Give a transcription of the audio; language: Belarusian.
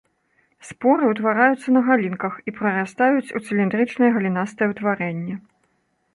Споры ўтвараюцца на галінках і прарастаюць у цыліндрычнае галінастае ўтварэнне.